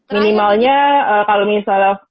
minimalnya kalau misalnya